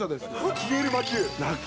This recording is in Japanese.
消える魔球。